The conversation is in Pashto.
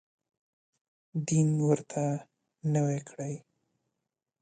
دین ورته نوی کړي.